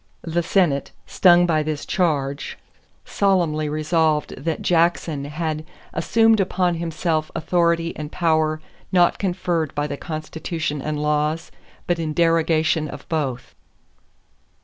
The Senate, stung by this charge, solemnly resolved that Jackson had "assumed upon himself authority and power not conferred by the Constitution and laws, but in derogation of both."